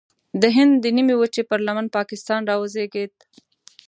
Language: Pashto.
د هند د نیمې وچې پر لمن پاکستان راوزېږید.